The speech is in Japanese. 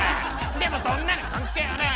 でもそんなの関係ねえ！